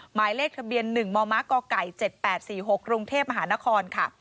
หมายเลขทะเบียน๑มมกไก่๗๘๔๖กรุงเทพมหานครค่ะ